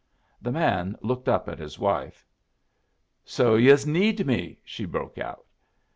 The man looked up at his wife. "So yus need me!" she broke out.